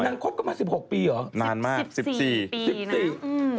นางคบกันมา๑๖ปีหรือนานมาก๑๓๑๔ปีโน้ท